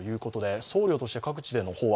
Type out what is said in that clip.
僧侶として各地での法話。